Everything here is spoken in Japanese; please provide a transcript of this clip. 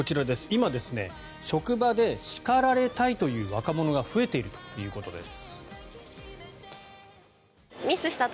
今、職場で叱られたいという若者が増えているということです。